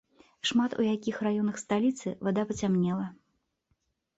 Шмат у якіх раёнах сталіцы вада пацямнела.